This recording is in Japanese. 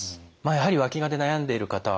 やはりわきがで悩んでいる方は多い。